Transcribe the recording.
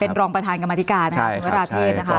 เป็นรองประธานกรรมธิการนะครับวราเทพ